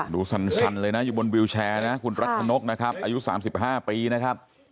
สั่นเลยนะอยู่บนวิวแชร์นะคุณรัชนกนะครับอายุ๓๕ปีนะครับ